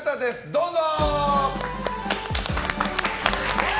どうぞ！